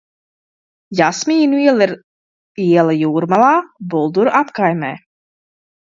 Jasmīnu iela ir iela Jūrmalā, Bulduru apkaimē.